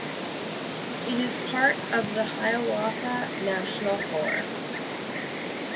It is part of the Hiawatha National Forest.